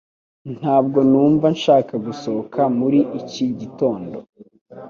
Ntabwo numva nshaka gusohoka muri iki gitondo